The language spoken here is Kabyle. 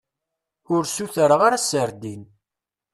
Ur sutreɣ ara serdin.